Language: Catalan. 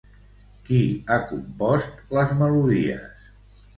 Qui ha compost les melodies?